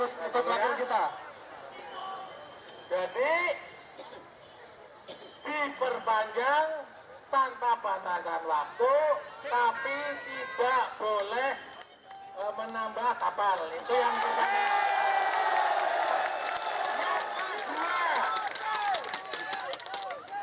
air air kita jadi diperpanjang tanpa batasan waktu tapi tidak boleh menambah kapal itu yang